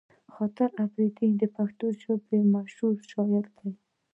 خاطر اپريدی د پښتو ژبې مشهوره شاعر دی